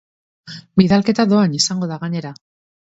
Bidalketa doan izango da, gainera.